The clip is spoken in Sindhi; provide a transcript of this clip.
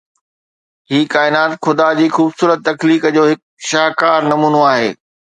هي ڪائنات خدا جي خوبصورت تخليق جو هڪ شاهڪار نمونو آهي